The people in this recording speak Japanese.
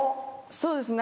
そうですね